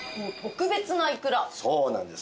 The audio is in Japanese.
そうなんです。